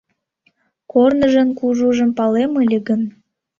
Корныжын кужужым палем ыле гын